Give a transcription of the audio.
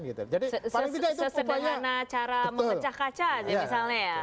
sesederhana cara memecah kaca aja misalnya ya